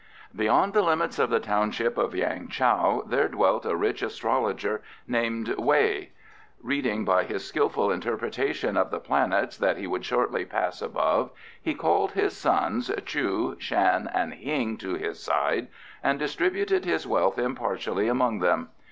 BEYOND the limits of the township of Yang chow there dwelt a rich astrologer named Wei. Reading by his skilful interpretation of the planets that he would shortly Pass Above, he called his sons Chu, Shan, and Hing to his side and distributed his wealth impartially among them.